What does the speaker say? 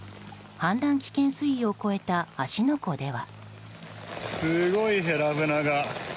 氾濫危険水位を超えた芦ノ湖では。